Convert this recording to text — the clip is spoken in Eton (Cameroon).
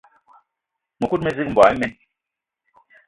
Mëkudgë mezig, mboigi imen